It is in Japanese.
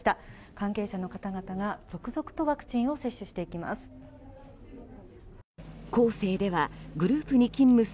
関係者の方々が続々とワクチンを接種していきます。